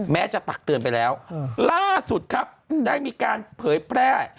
แม้จะตักเตือนไปแล้วล่าสุดครับได้มีการเผยแพร่